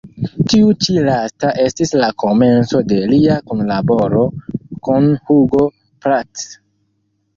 Tiu ĉi lasta estis la komenco de lia kunlaboro kun Hugo Pratt.